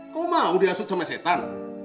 kau mau dihasut sama setan